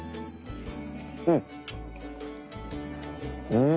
うん。